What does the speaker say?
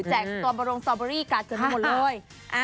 แจกตัวบรรลงสตรอเบอร์รี่กัดเกินไปหมดเลย